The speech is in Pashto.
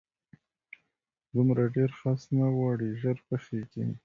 دومره ډېر خس نه غواړي، ژر پخېږي.